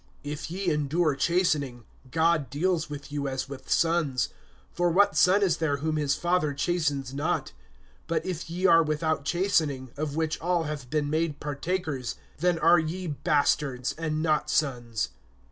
(7)If ye endure chastening, God deals with you as with sons; for what son is there whom his father chastens not? (8)But if ye are without chastening, of which all have been made partakers, then are ye bastards, and not sons.